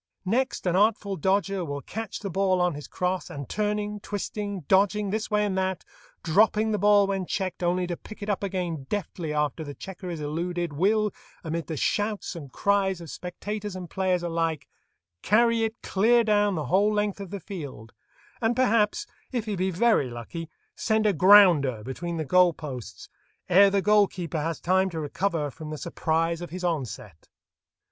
Next an artful dodger will catch the ball on his crosse, and turning, twisting, dodging this way and that, dropping the ball when checked, only to pick it up again deftly after the checker is eluded, will, amid the shouts and cries of spectators and players alike, carry it clear down the whole length of the field, and perhaps, if he be very lucky, send a "grounder" between the goal posts ere the goal keeper has time to recover from the surprise of his onset.